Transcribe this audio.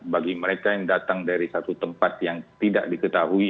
bagi mereka yang datang dari satu tempat yang tidak diketahui